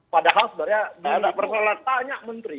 padahal sebenarnya dulu itu tanya menteri